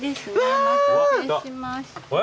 お待たせしました。